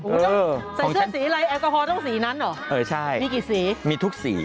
เออของฉันใส่เสื้อสีอะไรแอบก็พอทั้งสีนั้นเหรอมีกี่สีมีทุกสี